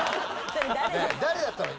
誰だったの？